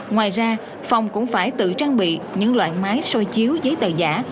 ngoài ra phòng cũng phải tự trang bị những loại máy soi chiếu giấy tờ giả